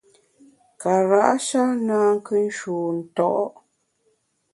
Kara’ sha na nkù nshu nto’.